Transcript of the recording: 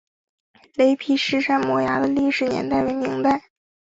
雷劈石山摩崖的历史年代为明代。